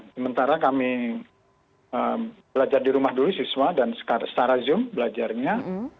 sementara kami belajar di rumah dulu siswa dan secara zoom belajarnya